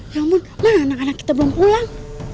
ya ampun mana anak anak kita belum pulang